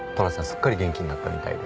すっかり元気になったみたいで。